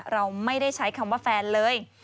เราไม่ได้ใช้คำว่าแฟนเลย